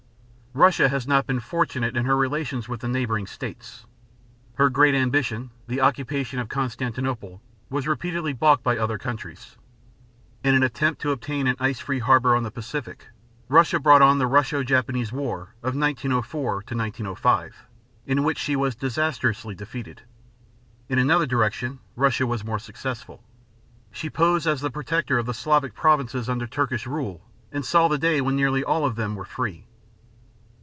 Russia has not been fortunate in her relations with the neighboring states. Her great ambition, the occupation of Constantinople, was repeatedly balked by other countries. In an attempt to obtain an ice free harbor on the Pacific, Russia brought on the Russo Japanese War of 1904 1905, in which she was disastrously defeated. In another direction Russia was more successful. She posed as the protector of the Slavic provinces under Turkish rule and saw the day when nearly all of them were free.